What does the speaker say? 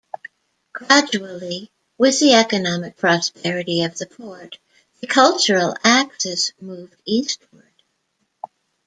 Gradually, with the economic prosperity of the port, the cultural axis moved eastward.